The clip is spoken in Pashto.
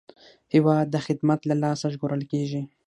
هېواد د خدمت له لاسه ژغورل کېږي.